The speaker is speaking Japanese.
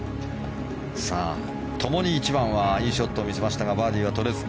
ともに１番はいいショットを見せましたがバーディーは取れず。